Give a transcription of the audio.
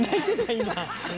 今。